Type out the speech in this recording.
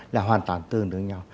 là hoàn toàn tương đối nhau